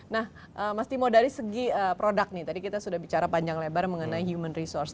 nah mas timo dari segi produk nih tadi kita sudah bicara panjang lebar mengenai human resource